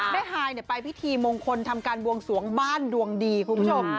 ฮายไปพิธีมงคลทำการบวงสวงบ้านดวงดีคุณผู้ชม